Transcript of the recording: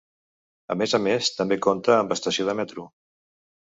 A més a més, també compta amb estació de metro.